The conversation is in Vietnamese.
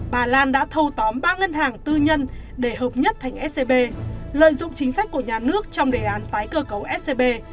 bà lan đã thâu tóm ba ngân hàng tư nhân để hợp nhất thành scb lợi dụng chính sách của nhà nước trong đề án tái cơ cấu scb